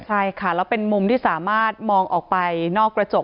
ใช่ค่ะแล้วเป็นมุมที่สามารถมองออกไปนอกกระจก